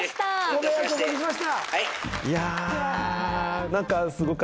ご迷惑をおかけしました。